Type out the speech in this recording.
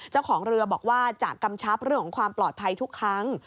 เจ้าของเรือบอกว่าจะกำชับเรื่องของความปลอดภัยทุกครั้ง